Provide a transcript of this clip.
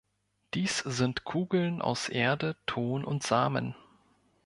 Dies sind Kugeln aus Erde, Ton und Samen.